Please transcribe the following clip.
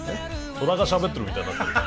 虎がしゃべってるみたいになってるけど。